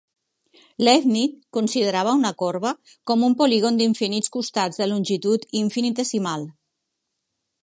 Leibniz considerava una corba com un polígon d'infinits costats de longitud infinitesimal.